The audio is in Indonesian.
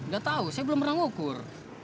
gak tahu saya belum pernah ngukur